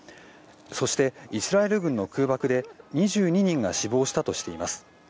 そして、イスラエル軍の空爆で２２人が死亡したとしています。